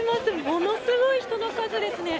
ものすごい人の数ですね。